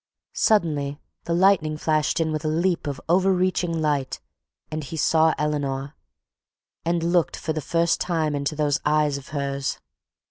Suddenly the lightning flashed in with a leap of overreaching light and he saw Eleanor, and looked for the first time into those eyes of hers.